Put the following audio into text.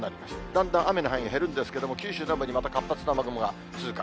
だんだん雨の範囲が減るんですけれども、九州南部にまた活発な雨雲が通過。